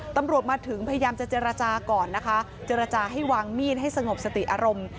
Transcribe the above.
ตำรวจมาถึงพยายามจะเจรจาก่อนนะคะเจรจาให้วางมีดให้สงบสติอารมณ์